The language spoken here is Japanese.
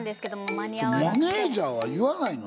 マネジャーは言わないの？